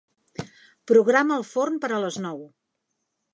Programa el forn per a les nou.